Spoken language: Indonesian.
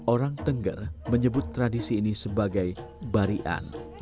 orang tengger menyebut tradisi ini sebagai barian